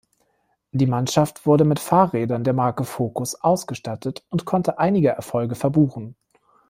Die Mannschaft wurde mit Fahrrädern der Marke Focus ausgestattet und konnte einige Erfolge verbuchen.